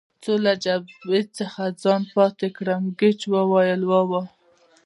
څو له جبهې څخه ځان پاتې کړم، ګېج وویل: وا وا.